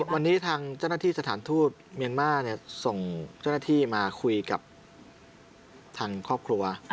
วันนี้ทางเจ้าหน้าที่สถานทูตเมียนมาร์ส่งเจ้าหน้าที่มาคุยกับทางครอบครัว